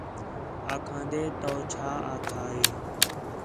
آکھان٘دے تُو چھا آکھا ہِے